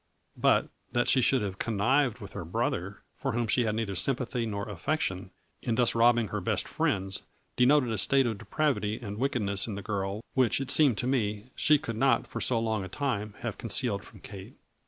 But, A FLURRY IX DIAMONDS. or that she should have connived with her brother, for whom she had neither sympathy nor affection, in thus robbing her best friends, denoted a state of depravity and wickedness in the girl which it seemed to me she could not, for so long a time, have concealed from Kate.